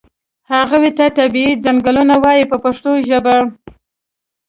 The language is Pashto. هغو ته طبیعي څنګلونه وایي په پښتو ژبه.